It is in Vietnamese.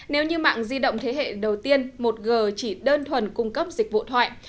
nếu như mạng di động thế hệ đầu tiên một g chỉ đơn thuần cung cấp dịch vụ thoại